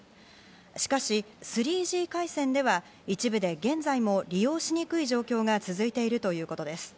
しかし３Ｇ回線では一部で現在も利用しにくい状況が続いているということです。